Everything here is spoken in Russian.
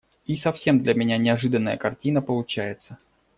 И совсем для меня неожиданная картина получается.